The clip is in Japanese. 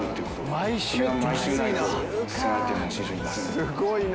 すごいな！